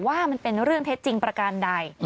ว่ามันเป็นเรื่องเท็จจริงประการใด